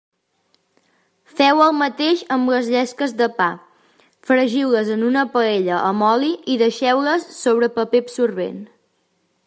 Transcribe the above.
Feu el mateix amb les llesques de pa: fregiu-les en una paella amb oli i deixeu-les sobre paper absorbent.